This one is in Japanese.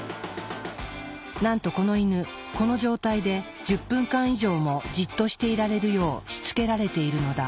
なんとこのイヌこの状態で１０分間以上もじっとしていられるようしつけられているのだ。